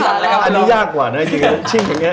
กลับไปที่คุณโรงอยู่ทางครับพวกโรครังครับลองจะได้เห็นด้วยกันครับ